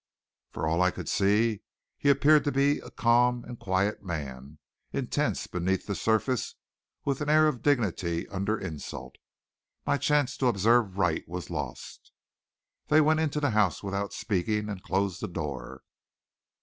For all I could see, he appeared to be a calm and quiet man, intense beneath the surface, with an air of dignity under insult. My chance to observe Wright was lost. They went into the house without speaking, and closed the door.